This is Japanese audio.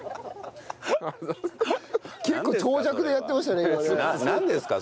結構長尺でやってましたね今ね。